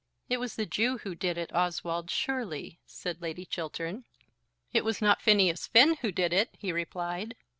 "It was the Jew who did it, Oswald, surely," said Lady Chiltern. "It was not Phineas Finn who did it," he replied.